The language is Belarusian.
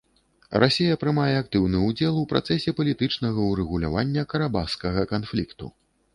Расія прымае актыўны ўдзел у працэсе палітычнага ўрэгулявання карабахскага канфлікту.